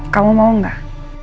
kamu mau nggak